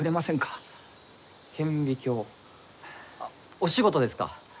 あっお仕事ですか？